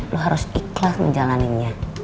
lo harus ikhlas menjalannya